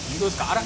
あら！